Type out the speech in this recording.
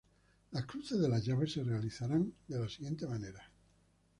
Los cruces de las llaves se realizarán de la siguiente manera.